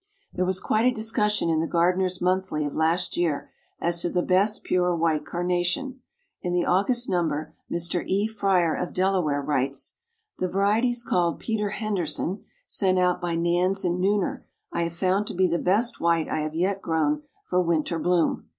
There was quite a discussion in the Gardener's Monthly of last year as to the best pure White Carnation. In the August number, Mr. E. Fryer of Delaware writes: "The varieties called Peter Henderson, sent out by Nanz and Neuner I have found to be the best white I have yet grown for winter bloom.